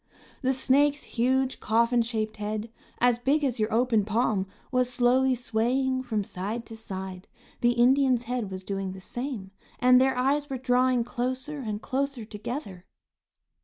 The snake's huge, coffin shaped head, as big as your open palm, was slowly swaying from side to side. The Indian's head was doing the same, and their eyes were drawing closer and closer together.